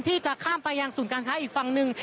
ที่จะข้ามไปยังศูนย์การค้าอีกฝั่งหนึ่ง